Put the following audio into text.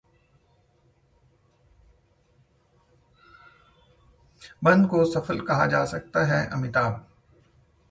बंद को कहा जा सकता है सफल: अमिताभ